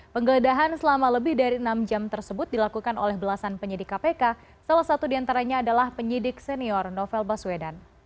penggeledahan selama lebih dari enam jam tersebut dilakukan oleh belasan penyidik kpk salah satu diantaranya adalah penyidik senior novel baswedan